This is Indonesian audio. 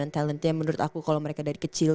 talentnya menurut aku kalau mereka dari kecil